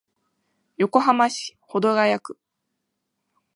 横浜市保土ケ谷区